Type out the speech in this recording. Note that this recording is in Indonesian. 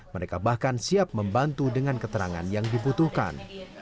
mereka bahkan siap membantu dengan keterangan yang dibutuhkan